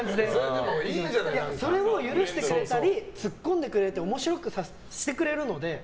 それを許してくれたりツッコんでくれて面白くしてくれるので。